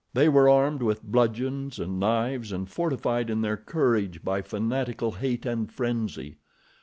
They were armed with bludgeons and knives, and fortified in their courage by fanatical hate and frenzy.